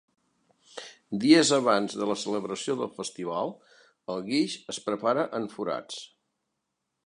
Dies abans de la celebració del festival, el guix es prepara en forats.